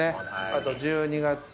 あと１２月。